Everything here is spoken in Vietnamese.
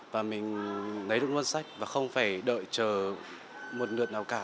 và mình lấy được một sách và không phải đợi chờ một lượt nào cả